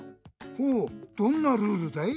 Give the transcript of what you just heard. ほうどんなルールだい？